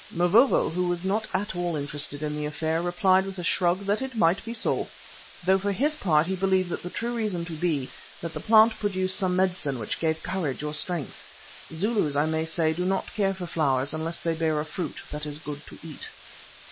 Mavovo, who was not at all interested in the affair, replied with a shrug that it might be so, though for his part he believed the true reason to be that the plant produced some medicine which gave courage or strength. Zulus, I may say, do not care for flowers unless they bear a fruit that is good to eat.